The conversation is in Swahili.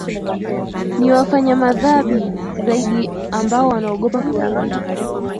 ni wafanya madhabi zaidi ambao wanaogopa kurudi